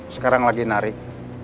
sekarang lagi narik